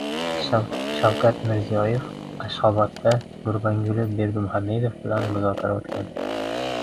Shavkat Mirziyoyev Ashxobodda Gurbanguli Berdimuhamedov bilan muzokara o‘tkazdi